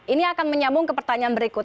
ini akan menyambung ke pertanyaan berikut